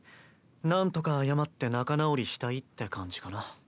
なんとか謝って仲直りしたい」って感じかな。